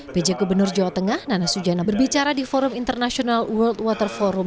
pj gubernur jawa tengah nana sujana berbicara di forum international world water forum